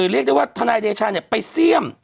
เอ่อเรียกได้ว่าธนายเดช้าเนี่ยไปเสี้ยม